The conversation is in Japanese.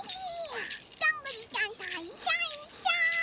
どんぐりさんといっしょいっしょ！